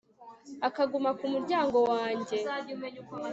akaguma ku muryango wanjye